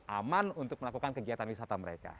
aman untuk melakukan kegiatan wisata mereka